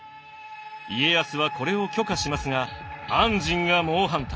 家康はこれを許可しますが安針が猛反対。